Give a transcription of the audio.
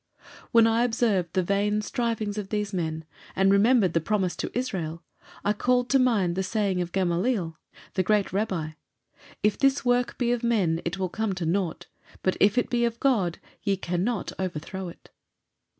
When I observed the vain strivings of these men, and remembered the Promise to Israel, I called to mind the saying of Gamaliel, the great Rabbi, "If this work be of men it will come to naught, but if it be of God, ye cannot overthrow it."